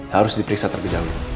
harus diperiksa terlebih dahulu